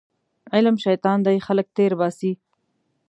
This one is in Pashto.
علم شیطان دی خلک تېرباسي